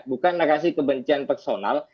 bukan narasi kebencian personal